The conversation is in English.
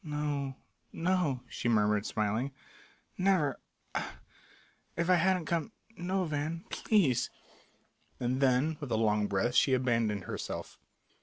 "No no," she murmured, smiling; "never ah, if I hadn't come no, Van please " And then with a long breath she abandoned herself.